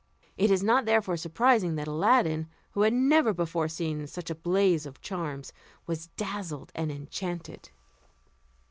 It is not therefore surprising that Aladdin, who had never before seen such a blaze of charms, was dazzled and enchanted.